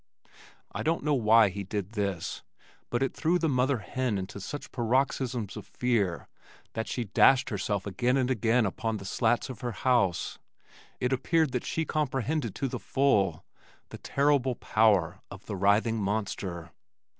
I don't know why he did this but it threw the mother hen into such paroxysms of fear that she dashed herself again and again upon the slats of her house. It appeared that she comprehended to the full the terrible power of the writhing monster.